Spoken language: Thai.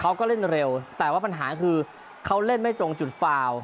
เขาก็เล่นเร็วแต่ว่าปัญหาคือเขาเล่นไม่ตรงจุดฟาว